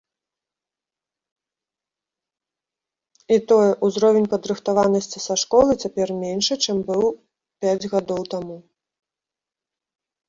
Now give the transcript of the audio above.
І тое, узровень падрыхтаванасці са школы цяпер меншы, чым быў пяць гадоў таму.